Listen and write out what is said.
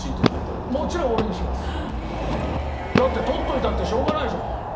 だって取っておいたってしょうがないじゃん。